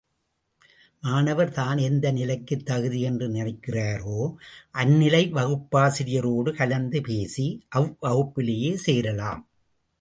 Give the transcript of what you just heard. மாணவர், தான் எந்த நிலைக்குத் தகுதி என்று நினைக்கிறாரோ, அந்நிலை வகுப்பாசிரியரோடு கலந்து பேசி, அவ்வகுப்பிலேயே சேரலாம்.